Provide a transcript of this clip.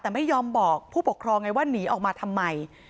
แต่ไม่ยอมบอกผู้ปกครองไงว่าหนีออกมาทำไม